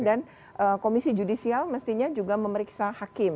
dan komisi judisial mestinya juga memeriksa hakim